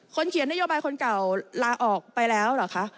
เขียนนโยบายคนเก่าลาออกไปแล้วเหรอคะ